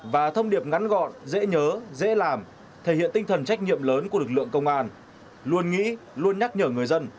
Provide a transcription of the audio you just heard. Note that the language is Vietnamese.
và thông điệp ngắn gọn dễ nhớ dễ làm thể hiện tinh thần trách nhiệm lớn của lực lượng công an luôn nghĩ luôn nhắc nhở người dân